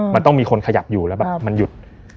มันต้องมีคนขยับอยู่แล้วแบบมันหยุด